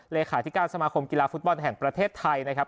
เลขาธิการสมาคมกีฬาฟุตบอลแห่งประเทศไทยนะครับ